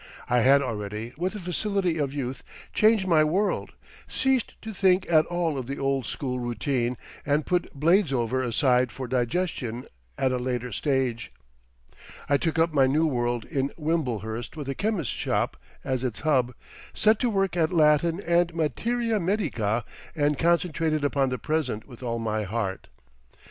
I had already, with the facility of youth, changed my world, ceased to think at all of the old school routine and put Bladesover aside for digestion at a latter stage. I took up my new world in Wimblehurst with the chemist's shop as its hub, set to work at Latin and materia medica, and concentrated upon the present with all my heart.